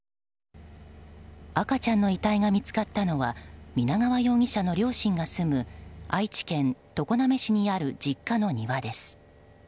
赤ちゃんの遺体が見つかったのは皆川容疑者の両親が住む愛知県常滑市にある実家の庭です。